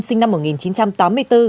sinh năm một nghìn chín trăm tám mươi bốn